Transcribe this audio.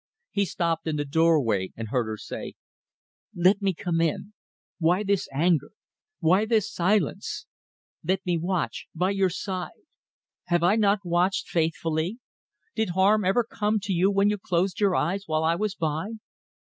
He stopped in the doorway, and heard her say "Let me come in. Why this anger? Why this silence? ... Let me watch ... by your side. ... Have I not watched faithfully? Did harm ever come to you when you closed your eyes while I was by?